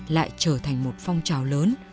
lại trở thành một phong trào lớn